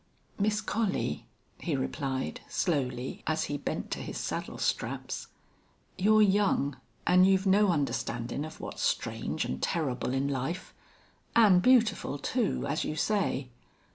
"Miss Collie," he replied, slowly, as he bent to his saddle straps, "you're young, an' you've no understandin' of what's strange an' terrible in life. An' beautiful, too, as you say....